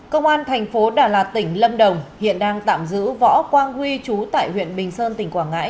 công an thành phố đà lạt tỉnh lâm đồng hiện đang tạm giữ võ quang huy chú tại huyện bình sơn tỉnh quảng ngãi